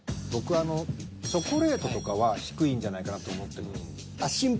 僕チョコレートとかは低いんじゃないかなと思ってます。